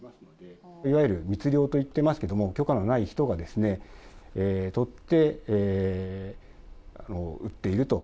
いわゆる密漁といっていますけれども、許可のない人が取って売っていると。